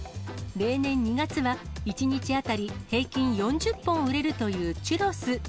例年２月は、１日当たり平均４０本売れるというチュロス。